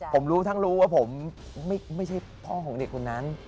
ผมรู้ทั้งรู้ว่าผมไม่ใช่พ่อของเด็กคนนั้น